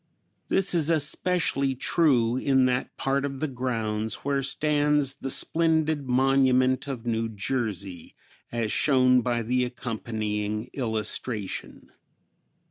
This is especially true in that part of the grounds where stands the splendid monument of New Jersey, as shown by the accompanying illustration.